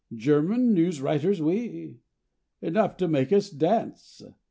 'German news writers we!' Enough to make us dance!